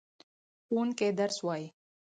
ښوونکی درس وايي.